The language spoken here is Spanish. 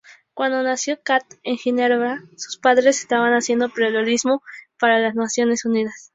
Cuando nació Kat en Ginebra, su padre estaba haciendo periodismo para las Naciones Unidas.